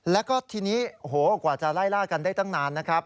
แล้วก็ทีนี้โอ้โหกว่าจะไล่ล่ากันได้ตั้งนานนะครับ